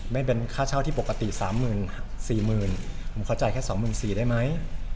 ไม่เป็นค่าเช่าที่ปกติ๓๐๐๐๐๔๐๐๐๐ผมขอจ่ายแค่๒๔๐๐๐ได้ไหม